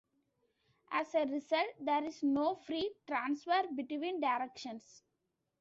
As a result, there is no free transfer between directions.